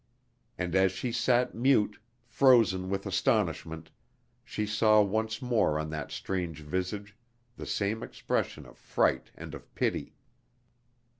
And as she sat mute, frozen with astonishment, she saw once more on that strange visage the same expression of fright and of pity.